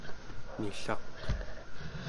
nillaq